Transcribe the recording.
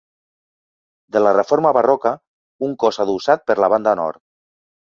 De la reforma barroca, un cos adossat per la banda nord.